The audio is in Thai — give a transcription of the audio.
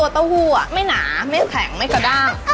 เต้าหู้ไม่หนาไม่แข็งไม่กระด้าง